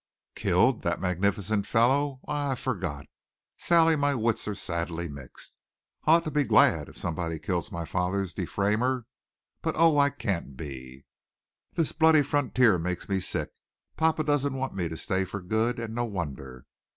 "Killed! That magnificent fellow! Ah, I forgot. Sally, my wits are sadly mixed. I ought to be glad if somebody kills my father's defamer. But, oh, I can't be! "This bloody frontier makes me sick. Papa doesn't want me to stay for good. And no wonder.